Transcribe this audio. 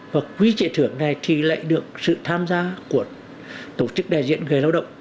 và quy chế thưởng này thì lại được sự tham gia của tổ chức đại diện người lao động